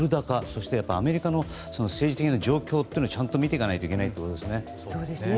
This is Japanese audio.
そしてアメリカの政治的な状況をちゃんと見ていかないといけないんですね。